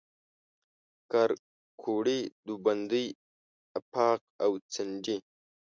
د کارکوړي، دوبندۍ آفاق او څنډي